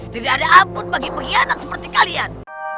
tidak ada ampun bagi pengkhianat seperti kalian